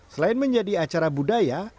selain menjadi acara budaya